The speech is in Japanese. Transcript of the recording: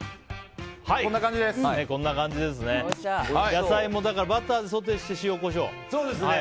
野菜もバターでソテーして塩、コショウ。